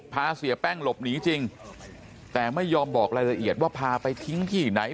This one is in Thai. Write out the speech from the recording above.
พาเสียแป้งหลบหนีจริงแต่ไม่ยอมบอกรายละเอียดว่าพาไปทิ้งที่ไหน